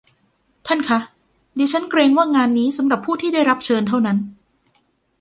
ท่านคะ ดิฉันเกรงว่างานนี้สำหรับผู้ที่ได้รับเชิญเท่านั้น